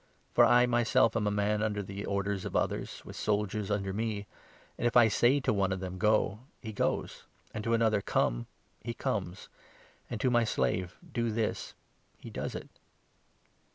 For I myself am a man under the orders of others, with 8 soldiers under me ; and if I say to one of them ' Go,' he goes, and to another ' Come,' he comes, and to my slave ' Do this,' he does it."